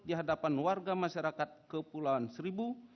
di hadapan warga masyarakat kepulauan seribu